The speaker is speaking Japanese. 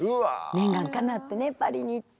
念願かなってねパリに行って。